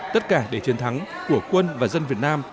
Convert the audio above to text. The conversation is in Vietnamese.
tất cả để chiến thắng của quân và dân việt nam